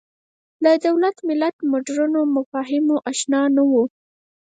له دولت ملت مډرنو مفاهیمو اشنا نه وو